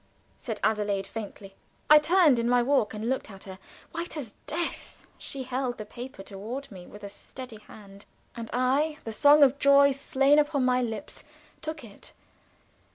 said Adelaide, faintly. I turned in my walk and looked at her. White as death, she held the paper toward me with a steady hand, and I, the song of joy slain upon my lips, took it.